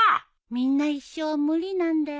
みんな一緒は無理なんだよ。